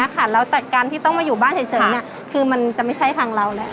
แล้วแต่การที่ต้องมาอยู่บ้านเฉยคือมันจะไม่ใช่ทางเราแหละ